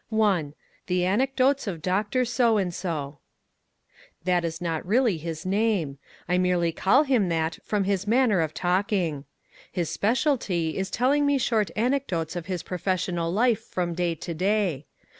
The Anecdotes of Dr. So and So That is not really his name. I merely call him that from his manner of talking. His specialty is telling me short anecdotes of his professional life from day to day.